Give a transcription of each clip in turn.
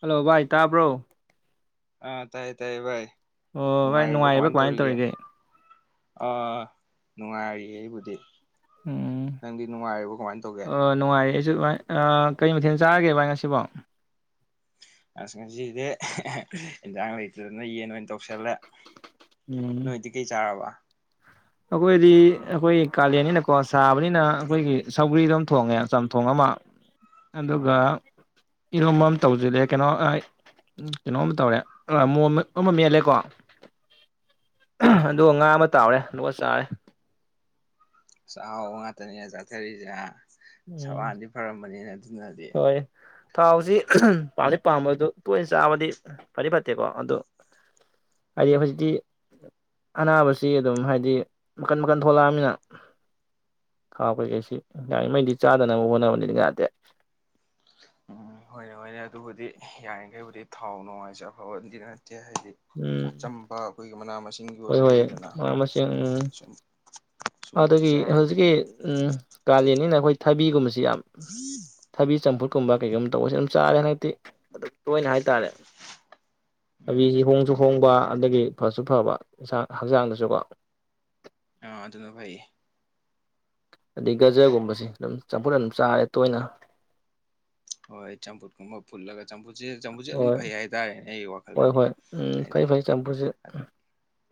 Hello ꯚꯥꯏ ꯇꯥꯕ꯭ꯔꯣ [inaudible] ꯑꯥ ꯇꯥꯏꯌꯦ ꯇꯥꯏꯌꯦ ꯚꯥꯏ ꯑꯣ ꯚꯥꯏ ꯅꯨꯡꯉꯥꯏꯔꯤꯕꯣ ꯀꯃꯥꯏꯅ ꯇꯧꯔꯤꯒꯦ ꯑꯥ ꯅꯨꯡꯉꯥꯏꯔꯤꯌꯦ ꯑꯩꯕꯨꯗꯤ꯫ ꯎꯝ ꯅꯪꯗꯤ ꯅꯨꯡꯉꯥꯏꯔꯤꯕ ꯀꯃꯥꯏꯅ ꯇꯧꯒꯦ꯫ ꯀꯔꯤ ꯃꯊꯦꯜ ꯆꯥꯔꯒꯦ ꯚꯏ ꯉꯁꯤꯕꯣ ꯑꯁ ꯉꯁꯤꯗꯤ ꯑꯦꯟꯖꯥꯡ ꯂꯩꯇꯗꯅ ꯌꯦꯟ ꯑꯣꯏꯅ ꯇꯧꯁꯤꯜꯂꯦ ꯎꯝ ꯅꯣꯏꯗꯤ ꯀꯩ ꯆꯥꯔꯕ ꯑꯩꯈꯣꯏꯗꯤ ꯑꯩꯈꯣꯏꯒꯤ ꯀꯥꯂꯦꯟꯅꯤꯅꯀꯣ ꯁꯥꯕꯅꯤꯅ ꯑꯩꯈꯣꯏꯒꯤ ꯁꯧꯒ꯭ꯔꯤꯗꯣ ꯑꯃ ꯊꯣꯡꯉꯦ ꯆꯝꯊꯣꯡ ꯑꯃ ꯑꯗꯨꯗꯨꯒ ꯎꯝ ꯏꯔꯣꯝꯕ ꯑꯃ ꯇꯧꯁꯤꯜꯂꯦ ꯀꯩꯅꯣ ꯀꯩꯅꯣꯝ ꯇꯧꯔꯦ ꯑꯃꯣ ꯑꯃ ꯃꯦꯜꯂꯦꯀꯣ ꯑꯣ ꯉꯥ ꯑꯃ ꯇꯥꯎꯔꯦ ꯍꯂꯨꯋꯥ ꯆꯥꯏ ꯆ ꯉꯥꯛꯇꯅꯦꯅ ꯆꯠꯊꯔꯤꯁꯦ ꯎꯝ ꯁꯕꯥꯟꯗꯤ ꯐꯔꯝꯕꯅꯤꯅ ꯑꯗꯨꯅ ꯗꯦ ꯍꯣꯏ ꯊꯥꯎꯁꯤ ꯄꯥꯝꯗꯤ ꯄꯥꯝꯕꯗ ꯇꯣꯏꯅ ꯆꯥꯕꯗꯤ ꯐꯗꯤ ꯐꯠꯇꯦꯀꯣ ꯑꯗꯨ ꯍꯥꯏꯗꯤ ꯍꯧꯖꯤꯛꯇꯤ ꯑꯅꯥꯕꯁꯤ ꯑꯗꯨꯝ ꯍꯥꯏꯗꯤ ꯃꯈꯟ ꯃꯈꯟ ꯊꯣꯛꯂꯛꯑꯅꯤꯅ ꯊꯥꯎ ꯀꯩꯀꯩꯁꯤ ꯌꯥꯔꯤꯉꯩꯗꯤ ꯆꯥꯗꯅꯕ ꯍꯣꯠꯅꯕꯅꯤꯅ ꯉꯠꯇꯦ ꯎꯝ ꯍꯣꯏꯅꯦ ꯍꯣꯏꯅꯦ ꯑꯗꯨꯕꯨꯗꯤ ꯌꯥꯔꯤꯈꯩꯕꯨꯗꯤ ꯊꯥꯎ ꯅꯨꯡꯉꯥꯏꯁꯦ ꯑꯐꯕꯗꯤꯅ ꯅꯠ ꯍꯥꯏꯗꯤ ꯎꯝ ꯑꯆꯝꯕ ꯑꯩꯈꯣꯏꯒꯤ ꯃꯅꯥ ꯃꯁꯤꯡ ꯍꯣꯏ ꯍꯣꯏ ꯃꯥ ꯃꯁꯤ ꯎꯝ ꯁꯨꯝ ꯁꯨꯝꯕꯁꯤ ꯑꯗꯨꯒꯤ ꯍꯧꯖꯤꯛꯀꯤ ꯆꯥꯔꯕꯨꯗꯤ ꯎꯝ ꯀꯥꯂꯦꯟꯅꯤꯅ ꯑꯩꯈꯣꯏ ꯊꯥꯕꯤꯒꯨꯝꯕꯁꯤ ꯌꯥꯝ ꯊꯕꯤ ꯆꯝꯄꯨꯨꯔ ꯀꯨꯝꯕ ꯀꯩꯒꯨꯝꯕ ꯇꯧꯕꯁ ꯑꯗꯨꯝ ꯆꯥꯔꯦ ꯍꯟꯗꯛꯇꯤ ꯑꯗꯨ ꯇꯣꯏꯅ ꯍꯥꯏꯇꯥꯔꯦ ꯎꯝ ꯀꯕꯤꯁꯤ ꯍꯣꯡꯁꯨ ꯍꯣꯡꯕ ꯑꯗꯒꯤ ꯐꯁꯨ ꯐꯕ ꯌꯦꯟꯁꯥꯡ ꯍꯛꯆꯥꯡꯗꯁꯨꯀꯣ ꯑꯥ ꯑꯗꯨꯅ ꯐꯩꯌꯦ ꯑꯗꯩ ꯒꯖꯔꯒꯨꯝꯕꯁꯤ ꯑꯗꯨꯝ ꯆꯝꯐꯨꯠ ꯑꯗꯨꯝ ꯆꯥꯔꯦ ꯇꯣꯏꯅ ꯍꯣꯏ ꯆꯝꯐꯨꯠꯀꯨꯝꯕ ꯐꯨꯠꯂꯒ ꯆꯝꯐꯨꯠꯁꯦ ꯆꯝꯐꯨꯠꯁꯦ ꯑꯗꯨꯝ ꯍꯣꯏ ꯐꯩ ꯍꯥꯏꯇꯥꯔꯦꯅꯦ ꯑꯩ ꯍꯣꯏ ꯍꯣꯏ ꯎꯝ ꯐꯩ ꯍꯥꯏꯗꯤ ꯐꯩ ꯆꯝꯐꯨꯠꯁꯦ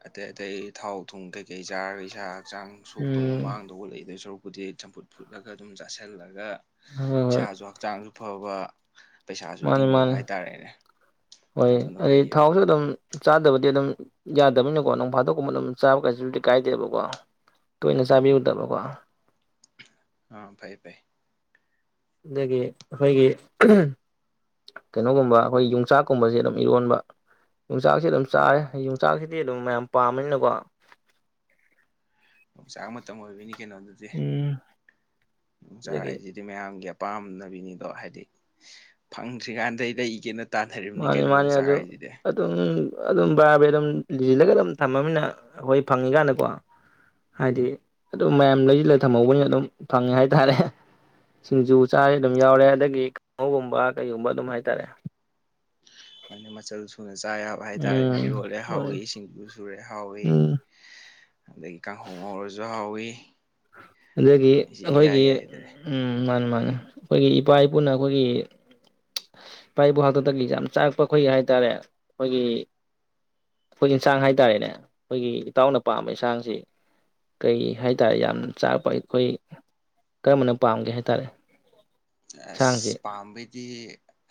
ꯑꯇꯩ ꯑꯇꯩ ꯊꯥꯎ ꯊꯨꯝ ꯀꯩ ꯀꯩ ꯆꯥ ꯄꯩꯁꯥ ꯍꯛꯆꯥꯡ ꯁꯣꯛꯇꯧꯕ ꯎꯝ ꯃꯥꯡꯗꯧꯕ ꯂꯩ ꯗꯧ ꯁꯔꯨꯛ ꯎꯗꯤ ꯆꯝꯐꯨꯠ ꯐꯨꯠꯂꯒ ꯑꯗꯨꯝ ꯆꯥꯁꯤꯜꯂꯒ ꯍꯣꯏ ꯍꯣꯏ ꯏꯁꯥꯁꯨ ꯍꯛꯆꯥꯡꯁꯨ ꯑꯥ ꯄꯩꯁꯥꯁꯨ ꯃꯥꯅꯤ ꯇꯤꯡꯗꯕ ꯃꯥꯅꯤ ꯍꯥꯏꯇꯔꯦꯅꯦ ꯍꯣꯏ ꯑꯗꯨꯅ ꯑꯗꯩ ꯐꯩꯌꯦꯕ꯫ ꯊꯥꯎꯁꯨ ꯑꯗꯨꯝ ꯆꯥꯗꯕꯗꯤ ꯑꯗꯨꯝ ꯌꯥꯗꯕꯅꯤꯀꯣ ꯅꯪ ꯐꯥꯗꯣꯛꯀꯨꯝꯕ ꯑꯗꯨꯝ ꯆꯥꯕ ꯀꯩꯁꯨꯕꯨꯗꯤ ꯀꯥꯏꯗꯦꯕꯀꯣ꯫ ꯇꯣꯏꯅ ꯆꯥꯕꯤꯔꯨꯗꯕꯀꯣ ꯑ ꯐꯥꯏ ꯐꯥꯏ ꯑꯗꯒꯤ ꯑꯩꯈꯣꯏꯒꯤ ꯀꯩꯅꯣꯒꯨꯝꯕ ꯑꯈꯣꯏ ꯌꯣꯡꯆꯥꯛꯀꯨꯝꯕꯁꯦ ꯑꯗꯨꯝ ꯏꯔꯣꯟꯕ ꯌꯣꯡꯆꯥꯛꯁꯤ ꯑꯗꯨꯝ ꯎꯝ ꯆꯥꯏꯔꯦ ꯌꯣꯡꯆꯥꯛꯁꯤꯗꯤ ꯑꯗꯨ ꯃꯌꯥꯝ ꯄꯥꯝꯕꯅꯤꯅꯀꯣ ꯆꯥꯡ ꯃꯇꯝ ꯑꯣꯏꯕꯅꯤ ꯀꯩꯅꯣꯗꯨꯗꯤ ꯎꯝ ꯌꯣꯡꯆꯥꯛ ꯑꯗꯒꯤ ꯍꯥꯏꯁꯤꯗꯤ ꯃꯌꯥꯝꯒꯤ ꯄꯥꯝꯅꯕꯤꯅꯤꯗꯣ ꯍꯥꯏꯗꯤ ꯐꯪꯗ꯭ꯔꯤꯀꯥꯟꯗꯩ ꯂꯩꯒꯦꯅ ꯇꯥꯟꯅꯔꯤꯕꯅꯤ ꯃꯥꯅꯤ ꯀꯩꯅꯣ ꯃꯥꯅꯤ ꯌꯣꯡꯆꯥꯛ ꯑꯗꯨ ꯍꯥꯏꯁꯤꯗꯤ ꯑꯗꯨꯝ ꯑꯗꯨꯝ ꯕꯔꯥ ꯕꯥꯔꯤ ꯑꯗꯨꯝ ꯂꯤꯁꯤꯜꯂꯒ ꯑꯗꯨꯝ ꯊꯝꯃꯅꯤꯅ ꯑꯩꯈꯣꯏ ꯐꯪꯉꯤꯀꯥꯟꯗꯀꯣ ꯍꯥꯏꯗꯤ ꯑꯗꯨꯝ ꯃꯌꯥꯝ ꯂꯩꯁꯤꯜꯂꯒ ꯊꯝꯍꯧꯕꯅꯤꯅ ꯑꯗꯨꯝ ꯐꯪꯉꯦ ꯍꯥꯏ ꯇꯥꯔꯦ ꯁꯤꯡꯖꯨ ꯎꯝ ꯆꯥꯔꯦ ꯑꯗꯨꯝ ꯌꯥꯎꯔꯦ ꯑꯗꯒꯤ ꯀꯥꯡꯍꯧꯒꯨꯝꯕ ꯀꯩꯒꯨꯝꯕ ꯑꯗꯨꯝ ꯍꯥꯏ ꯇꯔꯦ ꯃꯅꯤ ꯆꯜꯁꯨ ꯑꯗꯨꯅ ꯆꯥ ꯌꯥꯕ ꯍꯥꯏꯇꯥꯔꯅꯦ ꯎꯝ ꯏꯔꯣꯜꯂꯦ ꯍꯣꯏ ꯍꯥꯎꯋꯤ ꯏꯁꯤꯡꯗꯨ ꯁꯨꯔꯦ ꯍꯥꯎꯋꯦ ꯎꯝ ꯑꯗꯩꯒꯤ ꯀꯥꯡꯉꯧ ꯉꯧꯔꯁꯨ ꯍꯥꯎꯋꯤ ꯑꯗꯨꯗꯒꯤ ꯁꯤ ꯏꯌꯥ ꯑꯍꯣꯏꯒꯤ ꯌꯥꯏ ꯑꯗꯨꯅꯤ ꯎꯝ ꯃꯥꯅꯦ ꯃꯥꯥꯅꯤ ꯑꯈꯣꯏꯒꯤ ꯏꯄꯥ ꯏꯄꯨꯅ ꯑꯈꯣꯏꯒꯤ ꯏꯄꯥ ꯏꯄꯨ ꯍꯥꯛꯇꯛꯇꯒꯤ ꯌꯥꯝ ꯆꯥꯛꯔꯛꯄ ꯑꯈꯣꯏꯒꯤ ꯍꯥꯏꯇꯥꯔꯦ ꯑꯈꯣꯏꯒꯤ ꯑꯈꯣꯏ ꯏꯟꯁꯥꯡ ꯍꯥꯏꯇꯥꯔꯦꯅꯦ ꯑꯈꯣꯏꯒꯤ ꯏꯇꯥꯎꯅ ꯄꯥꯝꯕ ꯏꯟꯁꯥꯡꯁꯤ ꯀꯩ ꯍꯥꯏꯇꯥꯔꯦ ꯌꯥꯝ ꯆꯥꯔꯛꯄ ꯑꯈꯣꯏ ꯀꯔꯝꯕꯅ ꯄꯥꯝꯒꯦ ꯍꯥꯏꯇꯥꯔꯦ ꯏꯟꯁꯥꯡꯁꯦ ꯑꯁ ꯄꯥꯝꯕꯩꯗꯤ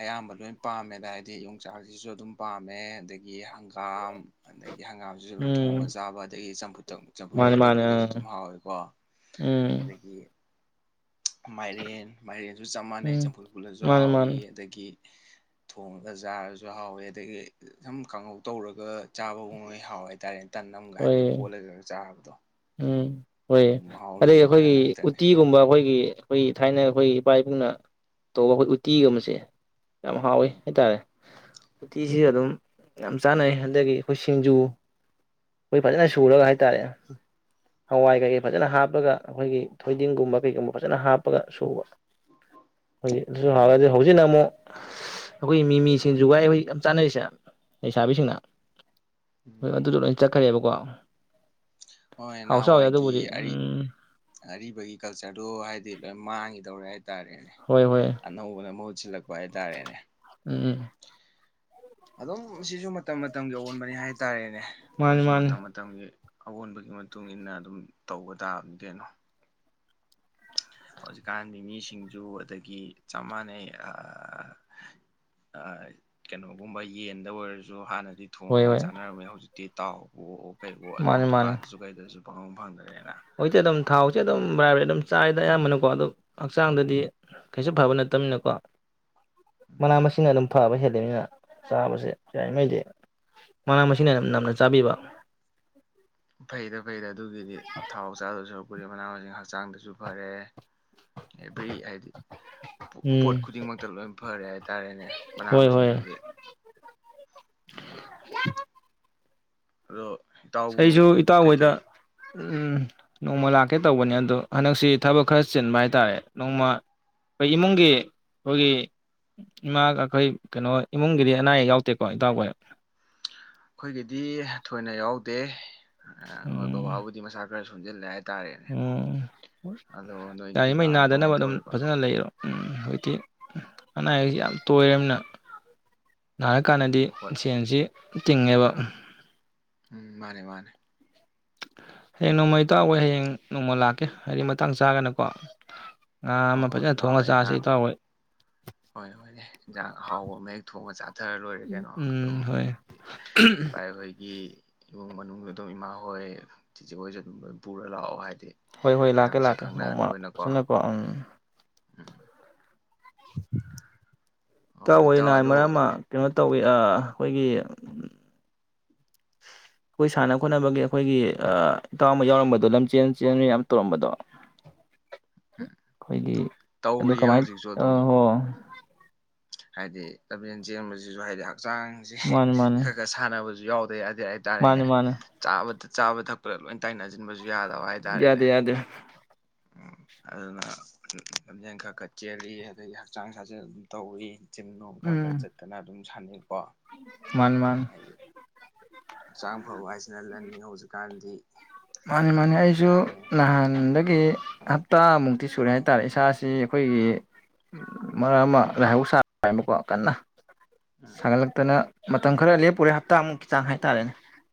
ꯑꯌꯥꯝꯕ ꯂꯣꯏ ꯄꯥꯝꯃꯦꯗ ꯍꯥꯏꯗꯤ ꯌꯣꯡꯆꯥꯛꯁꯤꯁꯨ ꯑꯗꯨꯝ ꯄꯥꯝꯃꯦ ꯑꯗꯒꯤ ꯍꯪꯒꯥꯝ ꯑꯗꯒꯤ ꯍꯪꯒꯥꯝꯁꯤꯁꯨ ꯑꯗꯨꯝ ꯊꯣꯡꯉ ꯎꯝ ꯆꯥꯕ ꯑꯗꯒꯤ ꯆꯝꯐꯨꯠꯇ ꯆꯝꯐꯨꯠ ꯃꯥꯅꯦ ꯃꯛꯇ ꯃꯥꯅꯦ ꯐꯨꯠꯂꯁꯨ ꯑꯥ ꯑꯗꯨꯝ ꯍꯥꯎꯋꯦꯀꯣ ꯎꯝ ꯑꯗꯒꯤ ꯃꯥꯏꯔꯦꯟ ꯑꯗꯨ ꯆꯞ ꯃꯥꯟꯅꯩ ꯎꯝ ꯆꯝꯐꯨꯜ ꯄꯨꯨꯜꯂꯁꯨ ꯃꯥꯅꯦ ꯃꯥꯅꯦ ꯍꯥꯎꯏꯤ ꯑꯗꯒꯤ ꯊꯣꯡꯉꯒ ꯆꯥꯔꯁꯨ ꯍꯥꯎꯋꯦ ꯑꯗꯒꯤ ꯁꯨꯝ ꯀꯥꯡꯍꯧ ꯇꯧꯔꯒ ꯆꯥꯕꯒꯕ ꯍꯥꯎꯋꯦ ꯍꯥꯏꯇꯥꯔꯦꯅꯦ ꯇꯟꯒꯟ ꯍꯣꯏ ꯍꯥꯏꯐꯦꯠ ꯀꯣꯜꯂꯒ ꯆꯥꯕꯗꯣ ꯎꯝ ꯍꯣꯏ ꯃꯍꯥꯎ ꯑꯗꯒꯤ ꯂꯩꯕ ꯏꯟꯖꯥꯡ ꯑꯩꯈꯣꯏꯒꯤ ꯉꯥꯛꯇꯅꯦ ꯎꯇꯤꯒꯨꯝꯕ ꯑꯩꯈꯣꯏꯒꯤ ꯑꯩꯈꯣꯏꯒꯤ ꯊꯥꯏꯅ ꯑꯩꯈꯣꯏ ꯏꯄꯥ ꯏꯄꯨꯅ ꯇꯧꯕ ꯑꯩꯈꯣꯏ ꯎꯇꯤꯒꯕꯁꯦ ꯌꯥꯝ ꯍꯥꯎꯋꯤ ꯎꯝ ꯍꯥꯏꯇꯥꯔꯦ ꯎꯇꯤꯁꯤꯁꯨ ꯑꯗꯨꯝ ꯌꯥꯝ ꯆꯥꯅꯩ ꯑꯗꯒꯤ ꯑꯩꯈꯣꯏ ꯁꯤꯡꯖꯨ ꯑꯩꯈꯣꯏ ꯐꯖꯅ ꯁꯨꯔꯒ ꯍꯥꯏꯇꯥꯔꯦ ꯍꯋꯥꯏ ꯀꯩꯀꯩ ꯐꯖꯅ ꯍꯥꯞꯄꯒ ꯑꯩꯈꯣꯏꯒꯤ ꯊꯣꯏꯗꯤꯡꯒꯨꯝꯕ ꯀꯩꯒꯨꯝꯕ ꯐꯖꯅ ꯍꯥꯞꯄꯒ ꯁꯨꯕ ꯍ ꯑꯗꯨ ꯑꯥ ꯍꯋꯥꯗꯤ ꯍꯧꯁꯤ ꯅ ꯑꯃ ꯑꯩꯈꯣꯏꯒꯤ ꯃꯤ ꯃꯤ ꯁꯤꯡꯖꯨ ꯍꯧꯖꯤꯛ ꯌꯥꯝ ꯆꯥꯟꯅꯔꯤꯁꯦ ꯂꯩꯁꯥꯕꯤꯁꯤꯡꯅ ꯎꯝ [unintelligible] ꯈꯦꯕꯀꯣ ꯍꯣꯏ ꯅꯍꯥꯟꯋꯥꯏꯒꯤ ꯑꯔꯤꯕꯒꯤ ꯀꯜꯆꯔꯗꯨꯣ ꯍꯥꯏꯗꯤ ꯂꯣꯏ ꯃꯥꯡꯈꯤꯤꯗꯧꯔꯦ ꯍꯥꯏ ꯍꯥꯏ ꯇꯔꯦꯅꯦ ꯍꯣꯏ ꯍꯣꯏ ꯑꯅꯧꯕꯅ ꯃꯍꯨꯠ ꯁꯤꯜꯂꯛꯄ ꯍꯥꯏꯇꯥꯔꯦꯅꯦ ꯎꯝ ꯑꯗꯨꯝ ꯁꯤꯁꯨ ꯃꯇꯝ ꯃꯇꯝꯒꯤ ꯑꯑꯣꯟꯕꯅꯤ ꯍꯥꯏꯇꯥꯔꯦꯅꯦ ꯃꯥꯅꯤ ꯑꯩꯈꯣꯏꯁꯨ ꯃꯥꯅꯤ ꯃꯇꯝ ꯃꯇꯝꯒꯤ ꯑꯑꯣꯟꯕꯒꯤ ꯃꯇꯨꯡ ꯏ ꯃꯇꯨꯡꯏꯟꯅ ꯑꯗꯨꯝ ꯇꯧꯕ ꯇꯥꯕ ꯀꯩꯅꯣ ꯍꯧꯖꯤꯛꯀꯥꯟꯗꯤ ꯃꯤꯁꯤꯡꯁꯨ ꯑꯗꯒꯤ ꯆꯞ ꯃꯥꯟꯅꯩ ꯀꯩꯅꯣꯒꯨꯝꯕ ꯌꯦꯟꯗ ꯑꯣꯏꯔꯁꯨ ꯍꯥꯟꯅ ꯍꯣꯏ ꯊꯣꯡꯉꯒ ꯍꯣꯏ ꯆꯥꯟꯅꯔꯝꯃꯦ ꯍꯧꯖꯤꯛ ꯗꯇꯥꯎ ꯑꯗꯨꯝ ꯗꯨꯀꯥꯟꯗꯁꯨ ꯀꯩꯗꯁꯨ ꯄꯪ ꯐꯪꯗ꯭ꯔꯦꯅ ꯍꯣꯏꯗꯤ ꯑꯗꯨ ꯊꯥꯎꯁ‌ꯦ ꯑꯗꯨꯝ [unintelligible] ꯆꯥꯢ ꯑ ꯑꯌꯥꯝꯕꯅꯀꯣ ꯑꯗꯣ ꯍꯛꯆꯥꯡꯗꯗꯤ ꯀꯩꯁꯨ ꯐꯕ ꯅꯠꯇꯕꯅꯤꯅꯀꯣ ꯃꯅꯥ ꯃꯁꯤꯡꯅ ꯑꯗꯨꯝ ꯐꯕ ꯍꯦꯜꯂꯤꯃꯤꯅ ꯆꯥꯕꯁꯦ ꯌꯥꯔꯤꯉꯩꯗꯤ ꯃꯅꯥ ꯃꯁꯤꯡꯅ ꯅꯝꯅ ꯆꯥꯕꯤꯕ ꯐꯩꯗ ꯐꯩꯗ ꯑꯗꯨ ꯑꯗꯨꯒꯤꯗꯤ ꯊꯥꯎ ꯆꯥꯗ‌ꯣꯢ ꯁꯔꯨꯛ ꯑꯈ‌ꯣꯢ ꯃꯅꯥ ꯃꯁꯤꯡ ꯍꯛꯆꯥꯡꯗꯁꯨ ꯐꯔꯦ ꯑꯦꯚ꯭ꯔꯤ ꯍꯥꯏꯗꯤ ꯄꯣꯠ ꯎꯝ ꯈꯨꯗꯤꯡꯃꯛꯇ ꯂꯣꯏ ꯐꯔꯦ ꯍꯥꯏꯇꯥꯥꯔꯦꯅꯦ ꯃꯅꯥ ꯍꯣꯏ ꯍꯣꯏ ꯃꯁꯤꯡꯁꯤꯗꯤ ꯎꯝ ꯑꯗꯣ ꯏꯇꯥꯎꯕꯨ ꯑꯩꯁꯨ ꯏꯇꯥꯡ ꯍꯣꯏꯗ ꯀꯩꯀꯩ ꯎꯝ ꯅꯣꯡꯃ ꯂꯥꯛꯀꯦ ꯇꯧꯕꯅꯤ ꯑꯗꯨꯗꯣ ꯍꯟꯗꯛꯁꯤ ꯊꯕꯛ ꯈꯔ ꯆꯤꯟꯕ ꯍꯥꯏꯇꯥꯔꯦ ꯅꯣꯡꯃ ꯑꯩꯈꯣꯏ ꯏꯃꯨꯡꯒꯤ ꯑꯩꯈꯣꯏꯒꯤ ꯏꯃꯥꯒ ꯑꯩꯈꯣꯏ ꯀꯩꯅꯣ ꯏꯃꯨꯡꯒꯤꯗꯤ ꯑꯅꯥ ꯑꯌꯦꯛ ꯌꯥꯎꯗꯦꯀꯣ ꯏꯇꯎꯈꯣꯏ ꯑꯩꯈꯣꯏꯒꯤꯗꯤ ꯊꯣꯏꯅ ꯌꯥꯎꯗꯦ ꯣꯏ ꯎꯝ ꯕꯥꯕꯨꯗꯤ ꯃꯁꯥ ꯣꯟꯖꯦ ꯂ ꯎꯝ ꯅꯣꯏꯒꯤꯗꯤ ꯌꯥꯔꯤꯉꯩ ꯀꯃꯥꯏ ꯅꯥꯗꯅꯕ ꯀꯃꯥꯏꯅ ꯑꯗꯨꯝ ꯇꯧꯔꯤꯕ ꯐꯖꯅ ꯂꯩꯔꯣ ꯎꯝ ꯍꯧꯖꯤꯛꯇꯤ ꯑꯅꯥ ꯑꯌꯦꯛꯁꯤ ꯌꯥꯝ ꯇꯣꯏꯔꯝꯅ ꯅꯅꯥꯔ ꯀꯥꯟꯗꯗꯤ ꯎꯝ ꯍꯣꯏ ꯁꯦꯟꯁꯤ ꯇꯦꯡꯦꯕ ꯎꯝ ꯃꯥꯅꯦ ꯃꯥꯅꯦ ꯍꯌꯦꯡ ꯅꯣꯡꯃꯩ ꯇꯥꯛꯋꯦ ꯍꯌꯦꯡ ꯅꯣꯡꯃ ꯂꯥꯛꯀꯦ ꯍꯥꯏꯗꯤ ꯃꯇꯥꯡ ꯆꯥꯒꯅꯀꯣ ꯉꯥ ꯍꯣꯏ ꯑꯃ ꯍꯣꯏ ꯐꯖꯅ ꯂꯥꯛꯑꯣ ꯊꯣꯡꯉꯒ ꯏꯟꯖꯥꯡ ꯆꯁꯤꯇꯥꯎꯋꯣꯏ ꯍꯣꯏ ꯍꯣꯏꯅꯦ ꯏꯟꯖꯥꯡ ꯑꯍꯥꯎꯕ ꯃꯍꯤꯌꯦꯛ ꯊꯣꯡꯉ ꯆꯥꯊꯔ ꯂꯣꯏꯔꯦ ꯀꯩꯅꯣ ꯑꯗꯨꯝ ꯎꯝ ꯍꯣꯏ ꯚꯥꯏ ꯑꯩꯈꯣꯏꯒꯤ ꯏꯃꯨꯡ ꯃꯅꯨꯡ ꯑꯗꯨꯝ ꯏꯃꯥ ꯍꯣꯏ ꯆꯤꯖꯦ ꯍꯣꯏꯁꯦ ꯑꯗꯨꯝ ꯄꯨꯔ ꯂꯥꯛꯑꯣ ꯍꯥꯏꯗꯤ ꯍꯣꯏ ꯍꯣꯏ ꯃꯌꯥꯝ ꯂꯥꯛꯀꯦ ꯁꯛ ꯂꯥꯛꯀꯦ ꯅꯣꯡꯃ ꯈꯪꯅꯍꯟꯕ ꯑꯣꯏꯅꯀꯣ ꯁꯤꯅꯀꯣ ꯎꯝ ꯎꯝ ꯍꯣꯏ ꯏꯇꯥꯎ ꯇꯥꯑꯣꯏꯅ ꯑꯗꯨ ꯃꯔꯝ ꯑꯃ ꯀꯩꯅꯣ ꯇꯧꯋꯤ ꯑꯩꯈꯣꯏꯒꯤ ꯑꯩꯈꯣꯏ ꯁꯥꯟꯅ ꯈꯣꯠꯅꯕꯒꯤ ꯑꯩꯈꯣꯏꯒꯤ ꯏꯇꯥꯎꯕ ꯌꯥꯎꯔꯝꯕꯗꯣ ꯂꯝꯆꯦꯟ ꯆꯦꯟ ꯌꯥꯝ ꯇꯧꯔꯝꯕꯗꯣ ꯑꯩꯈꯣꯏꯒꯤ ꯑꯗꯨ ꯇꯧꯔꯤꯌꯦ ꯀꯃꯥꯏꯅ ꯍꯧꯖꯤꯛꯁꯨ ꯑꯗꯨꯝ ꯍꯣ ꯍꯥꯏꯗꯤ ꯂꯝꯖꯦꯟ ꯆꯦꯟꯕꯁꯤꯁꯨ ꯍꯥꯏꯗꯤ ꯍꯛꯆꯥꯡꯁꯦ ꯃꯥꯅꯤ ꯃꯥꯅꯤ ꯈꯔ ꯈꯔ ꯁꯥꯟꯅꯕ ꯌꯥꯎꯦ ꯍꯥꯏꯇꯥꯔꯦꯅꯦ ꯃꯥꯅꯤ ꯃꯥꯅꯤ ꯆꯥ ꯆꯥꯕ ꯊꯛꯄꯗ ꯂꯣꯏ ꯇꯥꯏꯅ ꯌꯥꯗꯦ ꯌꯥꯗꯦ ꯎꯝ ꯑꯗꯨꯅ ꯂꯝꯖꯦꯟ ꯈꯔ ꯈ ꯆꯦꯜꯂꯤ ꯑꯗꯒꯤ ꯍꯛꯆꯥꯡ ꯁꯥꯖꯦꯜ ꯑꯗꯨꯝ ꯇꯧꯋꯤ ꯆꯤꯡꯅꯣ ꯀꯒ ꯆꯠꯇꯅ ꯑꯗꯨꯝ ꯁꯅꯤ ꯃꯥꯟ ꯃꯥꯟ ꯑꯁꯝ ꯑꯐꯧ ꯍꯥꯏꯁꯤꯅ ꯂꯅꯤ ꯍꯧꯖꯤꯛꯀꯥꯟꯗꯤ ꯃꯥꯅꯤ ꯃꯥꯅꯦ ꯑꯩꯖꯨ ꯍꯥꯏꯗꯤ ꯅꯍꯥꯟꯗ ꯗꯒꯤ ꯍꯞꯇꯥꯃꯨꯛꯇꯤ ꯁꯨꯔꯦ ꯍꯥꯏꯇꯥꯔꯦ ꯏꯁꯥꯁꯤ ꯑꯩꯈꯣꯏꯒꯤ ꯃꯔꯛ ꯑꯃ ꯂꯥꯏꯍꯧ ꯁꯥꯕꯀꯣ ꯀꯟꯅ꯫ ꯎꯝ ꯁꯥꯒꯠꯂꯛꯇꯅ ꯃꯇꯝ ꯈꯔ ꯂꯦꯞꯄꯨꯔꯦ ꯍꯞꯇꯥꯃꯨꯛꯀꯤ ꯆꯥꯡ ꯍꯥꯏꯇꯥꯔꯦꯅꯦ꯫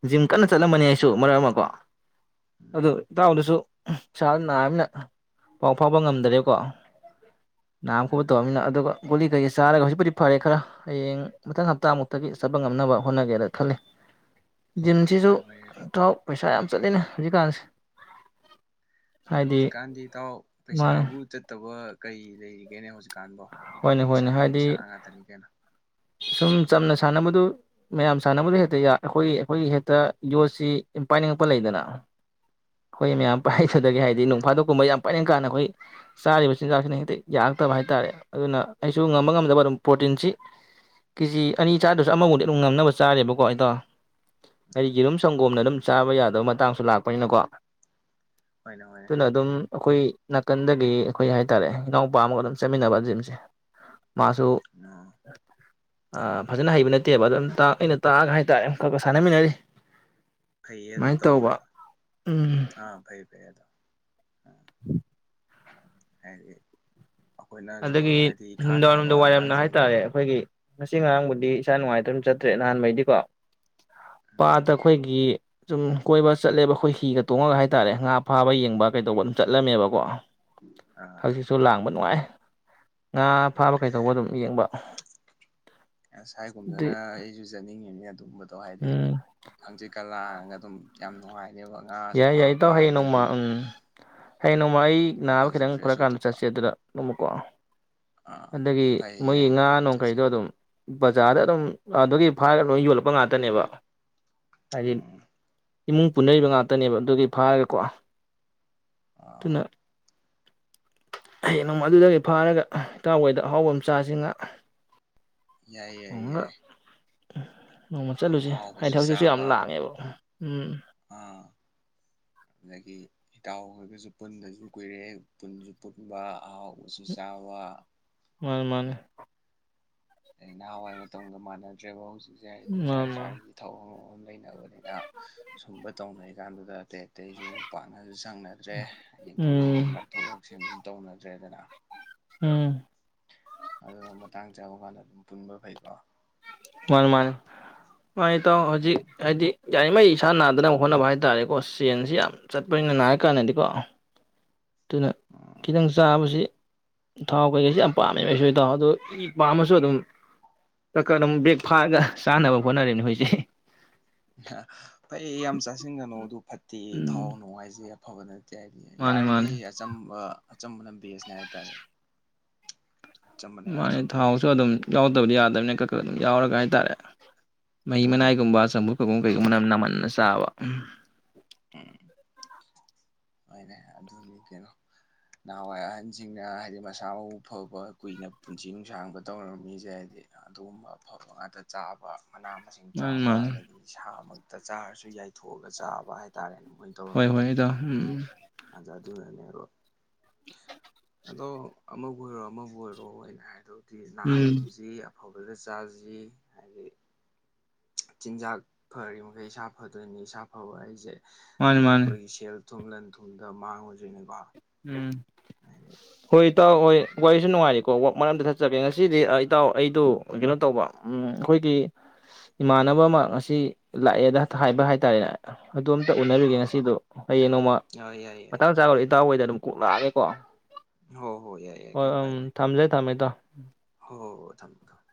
ꯖꯤꯝ ꯀꯟꯅ ꯎꯝ ꯆꯠꯂꯝꯕꯅꯦ ꯑꯩꯁꯨ ꯃꯔꯛ ꯑꯃ ꯀꯣ ꯎꯝ ꯑꯗꯨ ꯏꯇꯥꯎꯗꯁꯨ ꯏꯁꯥꯁꯤ ꯅꯥꯔꯕꯅꯤꯅ ꯄꯥꯎ ꯐꯥꯎꯕ ꯉꯝꯗꯔꯦꯀꯣ꯫ ꯅꯥꯝ ꯈꯣꯠ ꯎꯝ ꯇꯧꯔꯝꯅꯤꯅ ꯑꯗꯨꯒ ꯒꯨꯂꯤ ꯀꯩꯀꯩ ꯆꯥꯔꯒ ꯍꯧꯖꯤꯛꯄꯨꯗꯤ ꯐꯔꯦ ꯈꯔ ꯍꯌꯦꯡ ꯃꯊꯪ ꯍꯞꯇꯥꯃꯨꯛꯇꯒꯤ ꯆꯠꯄ ꯉꯝꯅꯕ ꯍꯣꯠꯅꯒꯦꯅ ꯈꯜꯂꯤ꯫ ꯖꯤꯝ ꯁꯤꯁꯨ ꯍꯣꯏ ꯍꯣꯏ ꯊꯥꯎ ꯄꯩꯁꯥ ꯌꯥꯝ ꯆꯠꯂꯤꯅꯦ ꯍꯧꯖꯤꯛꯀꯥꯟꯁꯦ ꯍꯥꯏꯗꯤ ꯍꯧꯖꯤꯛꯀꯥꯟꯗꯤ ꯏꯇꯥꯎ ꯃꯥꯅꯦ ꯄꯩꯁꯥꯕꯨ ꯆꯠꯇꯕ ꯀꯩ ꯂꯩꯔꯤꯒꯦꯅꯦ ꯍꯧꯖꯤꯛ ꯀꯥꯟꯕꯣ ꯍꯣꯏꯅꯦ ꯍꯣꯏꯅꯦ ꯄꯩꯁꯥꯒꯤ ꯍꯥꯏꯗꯤ ꯄꯩꯁꯥ ꯉꯥꯛꯇꯅꯤ ꯀꯩꯅꯣ ꯁꯨꯝ ꯆꯝꯅ ꯁꯥꯟꯅꯕꯗꯨ ꯃꯌꯥꯝ ꯁꯥꯟꯅꯕꯗ ꯍꯦꯛꯇ ꯌ ꯑꯩꯈꯣꯏ ꯑꯩꯈꯣꯏꯒꯤ ꯍꯦꯛꯇ ꯌꯣꯠꯁꯤ ꯄꯥꯏꯅꯤꯡꯉꯛꯄ ꯂꯩꯗꯅ ꯑꯩꯈꯣꯏ ꯎꯝ ꯃꯌꯥꯝ ꯄꯥꯏꯊꯗꯒꯦ ꯍꯥꯏꯗꯤ ꯅꯣꯡ ꯐꯥꯗꯣꯛꯀꯨꯝꯕ ꯌꯥꯝ ꯄꯥꯏꯅꯤꯡꯀꯥꯟꯗ ꯑꯩꯈꯣꯏ ꯆꯥꯔꯤꯕ ꯆꯤꯟꯖꯥꯛꯁꯤꯅ ꯍꯦꯛꯇ ꯌꯥꯔꯛꯇꯕ ꯍꯥꯏꯇꯥꯥꯔꯦ꯫ ꯑꯗꯨꯅ ꯑꯩꯁꯨ ꯉꯝꯕ ꯉꯝꯗꯕ ꯑꯗꯨꯝ ꯄ꯭ꯔꯣꯇꯤꯟꯁꯤ ꯀꯦꯖꯤ ꯑꯅꯤ ꯆꯥꯗ꯭ꯔꯁꯨ ꯑꯃꯕꯨꯗꯤ ꯑꯗꯨꯝ ꯉꯝꯅꯕ ꯆꯥꯔꯦꯕꯀꯣ ꯑꯩꯗꯣ꯫ ꯑꯩ ꯎꯝ ꯌꯦꯔꯨꯝ ꯁꯪꯒꯣꯝꯅ ꯑꯗꯨꯝ ꯆꯥꯕ ꯌꯥꯗꯕ ꯃꯇꯥꯡꯁꯨ ꯂꯥꯛꯄꯅꯤꯅꯀꯣ ꯍꯣꯏꯅꯦ ꯍꯣꯏꯅꯦ ꯗꯨꯅ ꯑꯗꯨꯝ ꯑꯩꯈꯣꯏ ꯅꯥꯀꯟꯗꯒꯤ ꯑꯩꯈꯣꯏ ꯍꯥꯏꯇꯥꯔꯦ ꯏꯅꯥꯎꯄꯥ ꯑꯃꯒ ꯑꯗꯨꯝ ꯆꯠꯃꯤꯟꯅꯕ꯫ ꯖꯤꯝꯁꯦ ꯃꯥꯁꯨ ꯑꯣ ꯑ ꯐꯖꯅ ꯍꯩꯕ ꯅꯠꯇꯦꯕ ꯑꯗꯨꯝ ꯑꯩꯅ ꯇꯥ ꯇꯥꯛꯑꯒ ꯍꯥꯏꯇꯥꯔꯦ ꯈꯔ ꯈꯔ ꯁꯥꯟꯅꯃꯤꯟꯅꯔꯤ꯫ ꯐꯩꯌꯦ ꯑꯗꯨ ꯑꯗꯨꯃꯥꯏꯅ ꯇꯧꯕ ꯇꯧꯔꯤꯗꯣ ꯎꯝ ꯑ ꯐꯩꯌꯦ ꯐꯩꯌꯦ ꯑꯗꯣ ꯍꯥꯏꯗꯤ ꯑꯩꯈꯣꯏꯅꯁꯨ ꯑꯗꯒꯤ ꯍꯥꯏꯗꯤ ꯏꯈꯥ ꯅꯨꯃꯤꯗꯥꯡꯋꯥꯏꯔꯝꯗ ꯊꯥꯕ ꯋꯥꯏꯔꯝꯗ ꯑꯉꯥꯡꯁꯤꯡꯁꯦ ꯍꯥꯏꯇꯥꯔꯦ ꯑꯗꯨꯝ ꯑꯩꯈꯣꯏꯒꯤ ꯉꯁꯤ ꯉꯔꯥꯡꯕꯨꯗꯤ ꯏꯁꯥ ꯅꯨꯡꯉꯥꯏꯇ ꯑꯗꯨꯝ ꯆꯠꯇ꯭ꯔꯦ ꯅꯍꯥꯟ ꯃꯈꯩꯗꯤꯀꯣ ꯎꯝ ꯄꯥꯠꯇ ꯑꯩꯈꯣꯏꯒꯤ ꯁꯨꯝ ꯀꯣꯏꯕ ꯆꯠꯂꯦꯕ ꯑꯩꯈꯣꯏ ꯍꯤꯒ ꯇꯣꯡꯉꯒ ꯍꯥꯏꯇꯥꯔꯦ ꯉꯥ ꯐꯥꯕ ꯌꯦꯡꯕ ꯀꯩꯗꯧꯕ ꯑꯗꯨꯝ ꯆꯠꯂꯝꯃꯦꯕꯀꯣ꯫ ꯑꯥ ꯍꯛꯖꯤꯛꯁꯨ ꯂꯥꯡꯕ ꯅꯨꯡꯉꯥꯏ꯫ ꯉꯥ ꯐꯥꯕ ꯀꯩꯗꯧꯕ ꯑꯗꯨꯝ ꯌꯦꯡꯕ ꯑꯁ ꯑꯗꯨ ꯍꯥꯏꯒꯨꯝꯗꯅ ꯑꯩꯁꯨ ꯆꯠꯅꯤꯡꯉꯤꯅꯤ [unintelligible] ꯍꯥꯏꯗꯤ ꯎꯝ ꯍꯛꯆꯤꯛꯀ ꯂꯥꯡꯒ ꯑꯗꯨꯝ ꯌꯥꯝ ꯅꯨꯡꯉꯥꯏ ꯌꯥꯏ ꯌꯥꯏ ꯏꯇꯥꯎ ꯍꯌꯦꯡ ꯅꯣꯡꯃ ꯎꯝ ꯍꯌꯦꯡ ꯅꯣꯡꯃ ꯑꯩ ꯅꯥꯕ ꯋꯥꯈꯜꯁꯨ ꯈꯤꯇꯪ ꯐ꯭ꯔꯦꯁ ꯐꯔꯛꯀꯥꯟꯗ ꯑꯣꯏꯊꯣꯛꯄ ꯆꯠꯁꯦ ꯑꯗꯨꯗ ꯅꯨꯀ ꯑꯥ ꯑꯗꯒꯤ ꯐꯩꯌꯦ ꯃꯣꯏꯒꯤ ꯌꯥꯏꯌꯦ ꯉꯥ ꯆꯠꯁꯦ ꯅꯣꯡꯈꯩꯗꯣ ꯑꯗꯨꯝ ꯕꯖꯥꯔꯗ ꯑꯗꯨꯝ ꯑꯗꯨꯒꯤ ꯐꯥꯔꯒ ꯂꯣꯏ ꯌꯣꯜꯂꯛꯄ ꯉꯥꯛꯇꯅꯦꯕ ꯍꯥꯏꯗꯤ ꯎꯝ ꯏꯃꯨꯡ ꯄꯨꯟꯅꯔꯤꯕ ꯉꯥꯛꯇ ꯇꯅꯦꯕ ꯑꯗꯨꯒꯤ ꯐꯥꯔꯒꯀꯣ ꯑꯥ ꯇꯨꯅ ꯌꯦꯡꯅꯨꯡ ꯑꯗꯨꯗꯒꯤ ꯐꯥꯔꯒ ꯏꯇꯥꯎ ꯍꯣꯏꯗ ꯍꯥꯎꯕ ꯆꯥꯁꯤ ꯉꯍꯥꯛ ꯌꯥꯏ ꯌꯥꯏ ꯌꯥꯏ ꯀ ꯅꯣꯡꯃ ꯆꯠꯂꯨꯁꯦ ꯍꯥꯏꯗꯤ ꯑꯍꯥꯎꯕꯁꯨ ꯍꯪꯆꯤꯠꯁꯨ ꯌꯥꯝ ꯂꯥꯡꯉꯦꯕ ꯎꯝ ꯎꯝ ꯑ ꯑꯗꯒꯤ ꯏꯇꯥꯎꯈꯔꯒꯁꯨ ꯄꯨꯟꯗꯁꯨ ꯀꯨꯏꯔꯦ ꯄꯨꯟꯁꯨ ꯄꯨꯟꯕ ꯑꯥꯎ [unintelligible] ꯃꯥꯅꯦ ꯃꯥꯅꯦ ꯅꯍꯥꯟꯋꯥꯏ ꯃꯇꯝꯒ ꯃꯥꯟꯅꯗ꯭ꯔꯦꯕ ꯍꯥꯏꯗꯤ ꯏꯁꯥ ꯃꯥꯅꯤ ꯃꯥꯅꯤ ꯏꯁꯥꯒꯤ ꯊꯕꯛ ꯑꯃꯃꯝ ꯑꯃꯃꯝ ꯂꯩꯅꯕꯅꯤꯅ ꯁꯨꯝꯕ ꯇꯧꯅꯩ ꯀꯥꯟꯗꯦ ꯑꯇꯩꯁꯨ ꯄꯥꯛꯅꯁꯨ ꯁꯪꯅꯗ꯭ꯔꯦ ꯌꯦꯡꯊꯣꯛ ꯎꯝ ꯌꯦꯡꯁꯤꯟ ꯂꯥꯛꯊꯣꯛ ꯂꯥꯛꯁꯤꯟ ꯇꯧꯅꯗ꯭ꯔꯦꯗꯅ ꯎꯝ ꯑꯗꯨꯅ ꯃꯇꯥꯡ ꯆꯥꯕ ꯀꯥꯟꯗ ꯑꯗꯨꯝ ꯄꯨꯟꯕ ꯐꯩꯀꯣ ꯃꯥꯅꯤ ꯃꯥꯅꯤ ꯃꯥꯅꯤ ꯏꯇꯥꯎ ꯍꯧꯖꯤꯛ ꯎꯝ ꯍꯥꯏꯗꯤ ꯌꯥꯔꯤꯉꯩ ꯏꯁꯥ ꯅꯥꯗꯅꯕ ꯍꯣꯠꯅꯕ ꯍꯥꯏꯇꯥꯔꯦ ꯆꯦꯟꯁꯤ ꯌꯥꯝ ꯆꯠꯄꯅꯤꯅ ꯅꯥꯔ ꯀꯥꯟꯗꯗꯤꯀꯣ ꯑꯗꯨꯅ ꯎꯝ ꯈꯤꯇꯪ ꯆꯥꯕꯁꯤ ꯊꯥꯎ ꯀꯩꯀꯩꯁꯤ ꯌꯥꯝ ꯄꯥꯝꯃꯦꯕ ꯑꯩꯁꯨ ꯏꯇꯥꯎ ꯑꯗꯣ ꯄꯥꯝꯃꯁꯨ ꯑꯗꯨꯝ ꯈꯔ ꯈꯔ ꯑꯗꯨꯝ ꯕ꯭ꯔꯦꯛ ꯐꯥꯔꯒ ꯆꯥꯅꯕ ꯍꯣꯠꯅꯔꯦꯅꯦ ꯍꯧꯖꯤꯛꯇꯤ [unintelligible] ꯐꯩꯌꯦ ꯌꯥꯝ ꯆꯥꯁꯤꯟꯒꯅꯨ ꯑꯗꯨ ꯐꯠꯇꯦ ꯊꯥꯎ ꯎꯝ ꯅꯨꯡ ꯍꯥꯏꯖꯩ ꯌꯥꯝ ꯐꯕ ꯅꯠ ꯍꯥꯏꯗꯤ ꯃꯥꯅꯤ ꯃꯥꯅꯤ ꯌꯥꯔꯤꯈꯩ ꯑꯆꯝꯕ ꯑꯆꯝꯕ ꯕꯦꯁꯅꯦ ꯍꯥꯏꯇꯥꯔꯦ ꯑꯆꯝꯕꯅ ꯌꯥꯝ ꯃꯥꯅꯦ ꯊꯤꯅ ꯐꯩ ꯊꯥꯎꯁꯨ ꯑꯗꯨꯝ ꯌꯥꯎꯗꯕꯗꯤ ꯌꯥꯗꯕꯅꯤꯅ ꯈ ꯈ ꯑꯗꯨꯝ ꯌꯥꯎꯔꯒ ꯍꯥꯏꯇꯥꯔꯦ ꯃꯍꯤ ꯎꯝ ꯃꯅꯥꯏ ꯒꯨꯝꯕꯥ ꯆꯝꯐꯨꯠ ꯈꯣꯏꯒꯨꯝ ꯀꯩꯒꯨꯝꯕꯅ ꯌꯥꯝ ꯅꯝꯃꯟꯅ ꯆꯥꯕ ꯎꯝ ꯅꯦ ꯑꯗꯨꯅꯤ ꯀꯩꯅꯣ ꯅꯍꯥꯟꯋꯥꯏ ꯑꯍꯟꯁꯤꯡꯅ ꯍꯥꯏꯗꯤ ꯃꯁꯥ ꯃꯎ ꯐꯕ ꯀꯨꯏꯅ ꯄꯨꯟꯁꯤ ꯅꯨꯡꯁꯥꯡꯕ ꯇꯧꯔꯝꯃꯤꯁꯦ ꯍꯥꯏꯗꯤ ꯑꯗꯨꯒꯨꯝꯕ ꯑꯐꯕ ꯉꯥꯛꯇ ꯆꯥꯕ ꯃꯅꯥ ꯃꯁꯤꯡ ꯃꯥꯅꯤ ꯆꯥꯕ ꯃꯥꯅꯤ ꯑꯗꯒꯤ ꯁꯥ ꯑꯃꯒꯤ ꯇ ꯆꯥꯔꯁꯨ ꯌꯥꯏꯊꯣꯛꯑꯒ ꯆꯥꯕ ꯍꯥꯏꯇꯥꯔꯦ ꯍꯣꯏ ꯍꯣꯏꯗ ꯎꯝ ꯖꯥ ꯑꯗꯨ ꯅꯅꯦꯕ ꯑꯗꯣ ꯑꯃꯕꯨ ꯑꯣꯏꯔꯣ ꯑꯃꯕꯨ ꯑꯣꯏꯔꯣ ꯑꯩꯅ ꯍꯥꯏꯗ‌ꯣ ꯎꯝ ꯅꯍꯥꯟꯒꯨꯝꯁꯤ ꯐꯕꯗ ꯆꯥꯁꯤ ꯍꯥꯏꯗꯤ ꯆꯤꯟꯖꯥꯛ ꯐꯔꯤ ꯃꯈꯩ ꯏꯁꯥ ꯐꯗꯣꯏꯅꯤ ꯏꯁꯥ ꯐꯕ ꯑꯩꯁꯦ ꯃꯥꯅꯤ ꯃꯥꯅꯤ ꯑꯩꯈꯣꯏꯒꯤ ꯁꯦꯜ ꯊꯨꯝ ꯂꯟ ꯊꯨꯝꯗ ꯃꯥꯡꯉꯣꯏꯗ꯭ꯔꯤꯅꯦꯕ ꯎꯝ ꯍꯣꯏ ꯏꯇꯥꯎ ꯍꯣꯏ ꯋꯥꯔꯤꯁꯨ ꯅꯨꯡꯉꯥꯏꯔꯤꯀꯣ ꯋꯥꯛ ꯃꯔꯛ ꯑꯝꯇ ꯊꯠꯆꯒꯦ ꯉꯁꯤꯗꯤ ꯏꯇꯥꯎ ꯑꯩꯗꯨ ꯀꯩꯅꯣ ꯇꯧꯕ ꯑꯩꯈꯣꯏꯒꯤ ꯏꯃꯥꯟꯅꯕ ꯑꯃ ꯉꯁꯤ ꯂꯥꯛꯑꯦꯗ ꯍꯥꯏꯕ ꯍꯥꯏꯇꯥꯔꯦꯅꯦ ꯑꯗꯨꯝ ꯑꯝꯇ ꯑꯥ ꯎꯅꯔꯨꯒꯦ ꯑꯥ ꯉꯁꯤꯗꯣ ꯍꯌꯦꯡ ꯅꯣꯡꯃ ꯌꯥꯏ ꯌꯥꯏ ꯌꯥꯏ ꯃꯇꯥꯡ ꯆꯥ ꯏꯇꯥꯎꯑꯣꯗ ꯑꯗꯨꯝ ꯀꯣꯛꯂꯥꯛꯑꯒꯦꯀꯣ ꯍꯣꯏ ꯍꯣꯏ ꯌꯥꯏ ꯌꯥꯏ ꯀꯩꯝ ꯑꯣ ꯀꯥꯏꯗꯦ ꯎꯝ ꯊꯥꯡꯖꯦ ꯊꯥꯡꯃꯦ ꯏꯇꯥꯎ ꯎꯝ [inaudible] ꯍꯣ ꯊꯝ ꯊꯝ